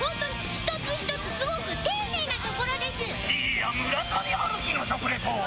いや村上春樹の食レポ。